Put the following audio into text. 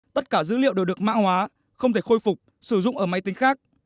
tất cả dữ liệu đều được mã hóa không thể khôi phục sử dụng ở máy tính khác